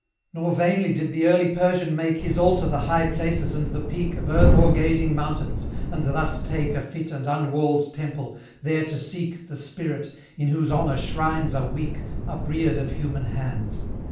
Nor vainly did the early Persian make His altar the high places and the peak Of earth o'ergazing mountains, and thus take A fit and unwalled temple, there to seek The Spirit, in whose honour shrines are weak, Upreared of human hands.